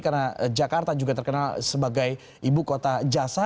karena jakarta juga terkenal sebagai ibu kota jasa